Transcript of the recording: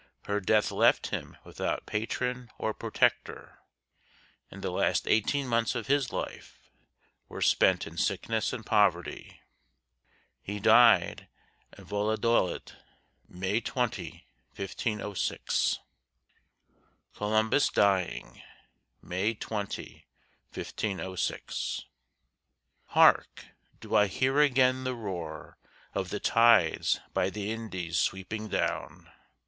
Her death left him without patron or protector, and the last eighteen months of his life were spent in sickness and poverty. He died at Valladolid, May 20, 1506. COLUMBUS DYING [May 20, 1506] Hark! do I hear again the roar Of the tides by the Indies sweeping down?